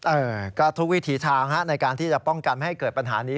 เออก็ทุกวิถีทางฮะในการที่จะป้องกันไม่ให้เกิดปัญหานี้